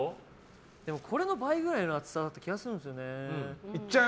これの倍くらいの厚さだった気がするんですよね。